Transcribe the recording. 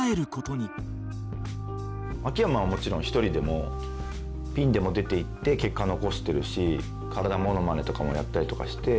秋山はもちろん１人でもピンでも出ていって結果残してるし体モノマネとかもやったりとかして。